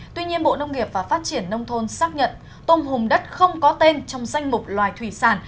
tuy nhiên bộ nông nghiệp và phát triển nông thôn xác nhận tôm hùm đất không có tên trong danh mục loài thủy sản